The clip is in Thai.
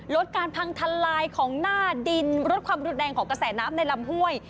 ลดการพังทลายของหน้าดินลดความรุนแรงของกระแสน้ำในลำห้วย